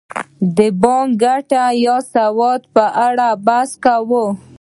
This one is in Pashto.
د بانکي ګټې یا سود په اړه بحث کوو